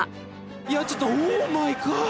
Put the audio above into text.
いやちょっとオーマイゴッド！